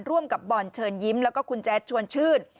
ร่วมกับบอลเชิญยิ้มแล้วก็คุณแจ๊ดชวนชื่น